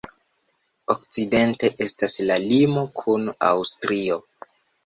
Okcidente estas la limo kun Aŭstrio.